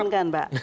ijin kan pak